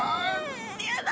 「やだ」